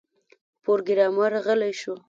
پروګرامر غلی شو